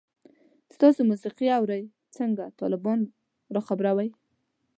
تاسو موسیقی اورئ؟ څنګه، طالبان را خبروئ